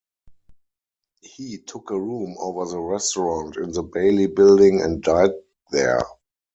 He took a room over the restaurant in the Bailey building and died there.